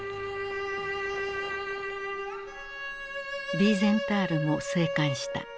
ヴィーゼンタールも生還した。